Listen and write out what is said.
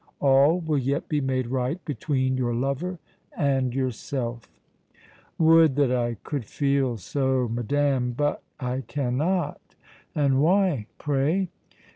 All will yet be made right between your lover and yourself!" "Would that I could feel so, madame, but I cannot!" "And why, pray?"